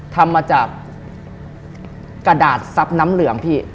ทำมาจากกระดาษซับน้ำเหลืองพี่